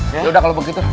yaudah kalo begitu